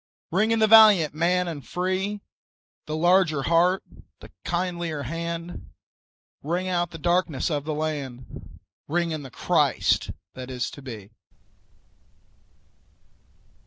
Ring in the valiant man and free, The larger heart, the kindlier hand; Ring out the darkenss of the land, Ring in the Christ that is to be.